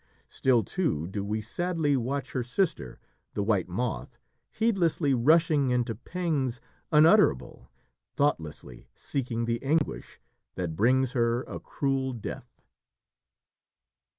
Still, too, do we sadly watch her sister, the white moth, heedlessly rushing into pangs unutterable, thoughtlessly seeking the anguish that brings her a cruel death.